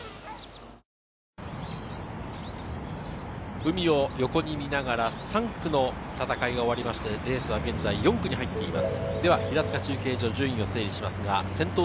海を横に見ながら３区の戦いが終わってレースは現在４区に入っています。